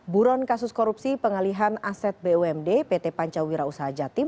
buron kasus korupsi pengalihan aset bumd pt pancawira usaha jatim